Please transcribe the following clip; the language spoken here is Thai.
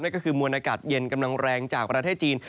ก็คือมวลอากาศเย็นกำลังแรงจากประเทศจีน